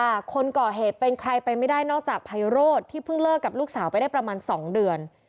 คนก่อเหตุเป็นใครไปไม่ได้นอกจากไพโรธที่เพิ่งเลิกกับลูกสาวไปได้ประมาณ๒เดือน